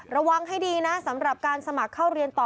ระวังให้ดีนะสำหรับการสมัครเข้าเรียนต่อ